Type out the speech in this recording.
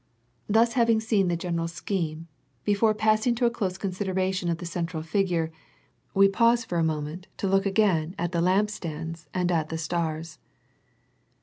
Thus having seen the general scheme, before The Vision and the Voice 19 passing to a close consideration of the central Figure, we pause for a moment to look again at the lampstands and at the stars.